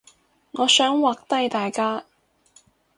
我想畫低大家